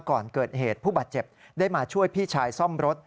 ก่อนเกิดเหตุผู้บาดเจ็บได้มาช่วยพี่ชายซ่อมรถ